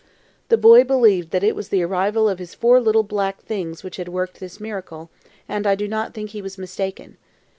The boy believed that it was the arrival of his four little black things which had worked this miracle, and I do not think he was mistaken.